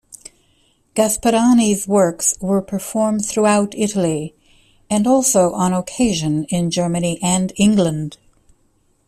Gasparini's works were performed throughout Italy, and also on occasion in Germany and England.